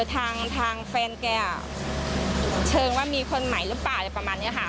ทางแฟนแกเชิงว่ามีคนใหม่หรือเปล่าอะไรประมาณนี้ค่ะ